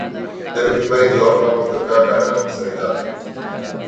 جب اجتماعی ذوق ہی نہ ہو تو کیا کارنامے سرانجام دئیے جا سکتے ہیں۔